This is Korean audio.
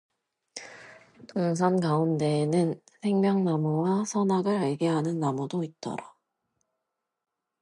동산 가운데에는 생명나무와 선악을 알게하는 나무도 있더라